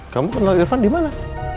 kamu kenal irfan di mana